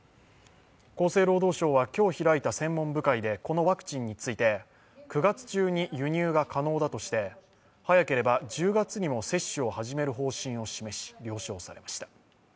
厚生労働省は今日開いた専門部会でこのワクチンについて、９月中に輸入が可能だとして早ければ１０月にも接種を始める方針を示し、了承されました。